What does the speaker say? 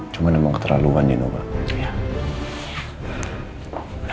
cuman memang keterlaluan nino pak